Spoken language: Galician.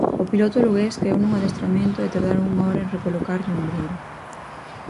O piloto lugués caeu nun adestramento e tardaron unha hora en recolocarlle o ombreiro.